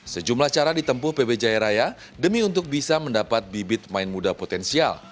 sejumlah cara ditempuh pb jaya raya demi untuk bisa mendapat bibit main muda potensial